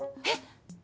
えっ？